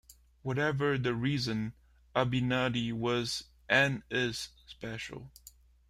Whatever the reason, Abinadi was and is special.